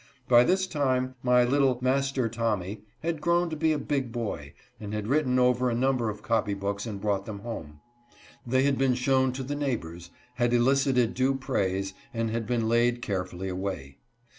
By this time my little " Master Tommy" had grown to be a big boy, and had written over a number of copy books and brought them home. They had been shown to the neighbors, had elicited due praise, and had been laid care fully away.